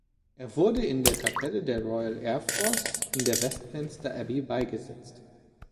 Er wurde in der Kapelle der Royal Air Force in der Westminster Abbey beigesetzt.